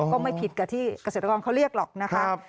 ก็ไม่ผิดกับที่กระเศรษฐกรเขาเรียกหรอกนะครับ